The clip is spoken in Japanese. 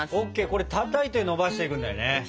これたたいてのばしていくんだよね？